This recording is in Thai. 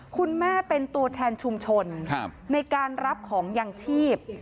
คุณแม่เป็นตัวแทนชุมชนในการรับของยังชีพ